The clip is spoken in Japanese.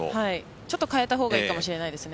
ちょっと変えたほうがいいかもしれないですね。